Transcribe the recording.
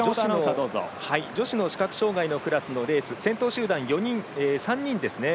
女子の視覚障がいのクラスのレース先頭集団、３人。